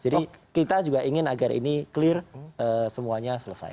jadi kita juga ingin agar ini clear semuanya selesai